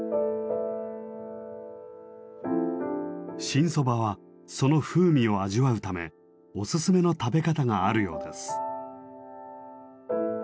新そばはその風味を味わうためおすすめの食べ方があるようです。